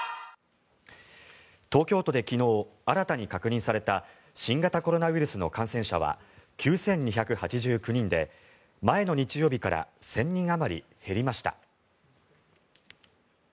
東京都で昨日新たに確認された新型コロナウイルスの感染者は９２８９人で前の日曜日から１０００人あまり減りました。